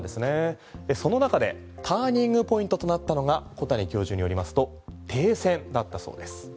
その中でターニングポイントとなったのが小谷教授によりますと停戦だったそうです。